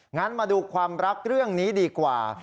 งั้นมาดูความรักเรื่องนี้ดีกว่า